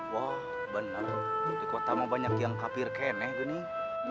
wah bener di kota mau banyak yang kafir keneh benih